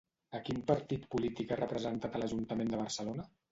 A quin partit polític ha representat a l'Ajuntament de Barcelona?